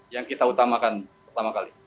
yang kita utamakan pertama kali